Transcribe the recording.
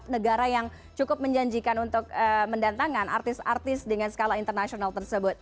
negara yang cukup menjanjikan untuk mendatangkan artis artis dengan skala internasional tersebut